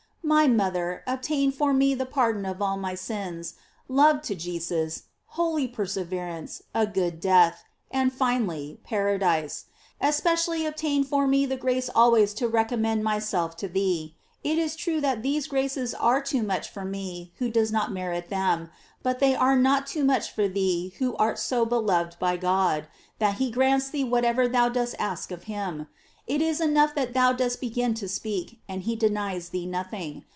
My mother, obtain for me the pardon of all my eins, love to Jesus, holy perseverance, a good death, and finally, paradise; especially obtain for me the grace always to recommend myself to thee. It is true that these graces are too much forme who do not merit them, but they are \iol. too much for thee who art so much beloved by G »d that he grants thee whatever thou dost ask of him. It is enough that thou dost begin to speak, and he denies thee nothing.